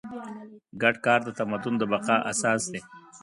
ګډ کار د تمدن د بقا اساس دی.